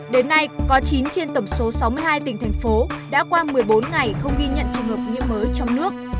đến nay có chín trên tổng số sáu mươi hai tỉnh thành phố đã qua một mươi bốn ngày không ghi nhận trường hợp nhiễm mới trong nước